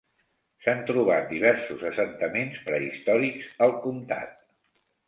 S'han trobat diversos assentaments prehistòrics al comtat.